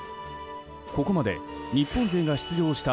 ここまで日本勢が出場した